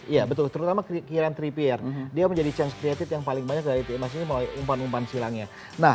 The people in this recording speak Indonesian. iya betul terutama kira kira tiga pr dia menjadi chance creative yang paling banyak dari tim masing masing melalui umpan umpan silangnya